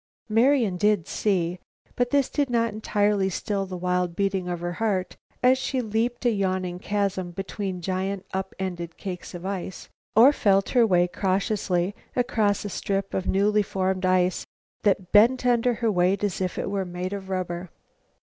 Marian did "see," but this did not entirely still the wild beating of her heart as she leaped a yawning chasm between giant up ended cakes of ice, or felt her way cautiously across a strip of newly formed ice that bent under her weight as if it were made of rubber.